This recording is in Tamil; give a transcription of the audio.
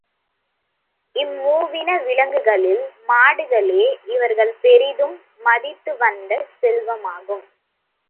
இம்மூவின விலங்குகளில் மாடுகளே இவர்கள் பெரிதும் மதித்துவந்த செல்வமாகும்.